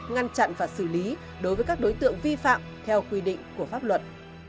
ngăn chặn và xử lý đối với các đối tượng vi phạm theo quy định của pháp luật